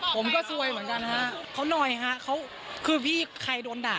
ใครที่เสียก็โดนด่า